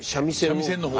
三味線の方？